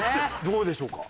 どうでしょうか？